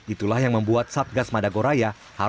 itulah yang membuat satgas madagoraya